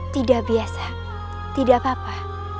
tidak biasa tidak apa apa